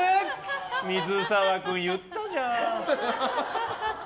水沢君、言ったじゃん。